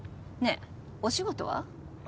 ねえお仕事は？